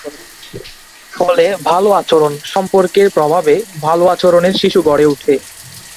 ফলে ভালো আচরণ সম্পর্কের প্রভাবে ভালো আচরণের শিশু গড়ে ওঠে।